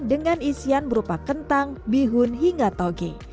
dengan isian berupa kentang bihun hingga togi